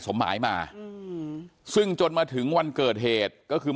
พันให้หมดตั้ง๓คนเลยพันให้หมดตั้ง๓คนเลย